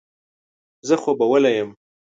زه خوبولی یم.